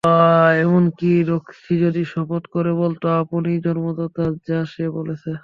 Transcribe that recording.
এমনি কী রক্সি যদি শপথ করে বলত আপনিই জন্মদাতা, যা সে বলেছে।